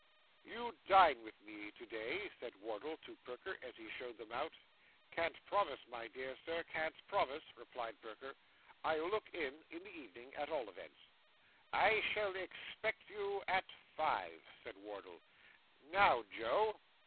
'You dine with me to day,' said Wardle to Perker, as he showed them out. 'Can't promise, my dear Sir, can't promise,' replied Perker. 'I'll look in, in the evening, at all events.' 'I shall expect you at five,' said Wardle. 'Now, Joe!